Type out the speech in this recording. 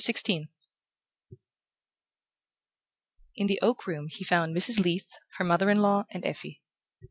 XVI In the oak room he found Mrs. Leath, her mother in law and Effie.